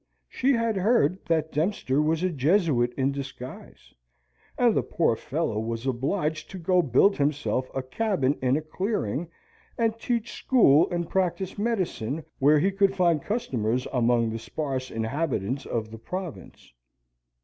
She had heard that Dempster was a Jesuit in disguise, and the poor fellow was obliged to go build himself a cabin in a clearing, and teach school and practise medicine where he could find customers among the sparse inhabitants of the province.